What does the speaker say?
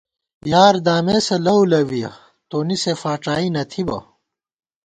یار دامېسہ لَؤ لَوِیَہ ، تونی سے فاڄائی نہ تھِبہ